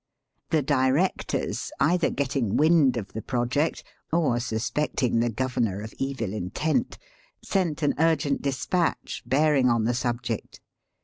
The Directors, either getting wind of the project or suspecting the Governor of evil intent, sent an urgent despatch bearing on the subject.